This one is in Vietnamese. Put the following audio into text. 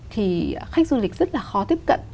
thì khách du lịch rất là khó tiếp cận